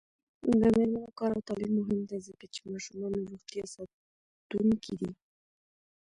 د میرمنو کار او تعلیم مهم دی ځکه چې ماشومانو روغتیا ساتونکی دی.